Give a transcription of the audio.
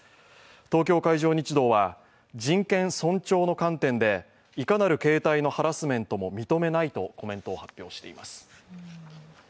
東京海上日動は人権尊重の観点でいかなる形態のハラスメントも認めないとコメントを発表しています。